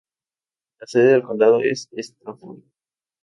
La sede del condado es Stafford.